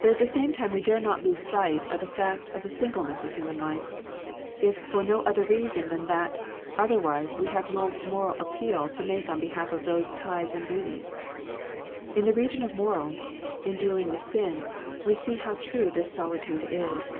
But at the same time we dare not lose sight of the fact of the singleness of human life, if for no other reason than that, otherwise we have no moral appeal to make on behalf of those ties and duties. In the region of morals, in dealing with sin, we see how true this solitude is.